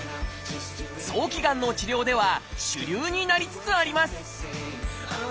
早期がんの治療では主流になりつつあります